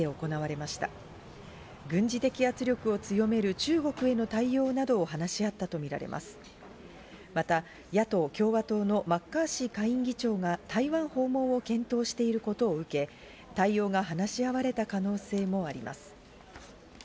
また野党・共和党のマッカーシー下院議長が、台湾訪問を検討していることを受け、対応が話し合われた可能性もあります。